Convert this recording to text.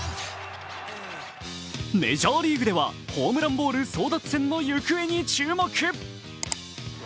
メジャーリーグではホームランボール争奪戦の行方に注目。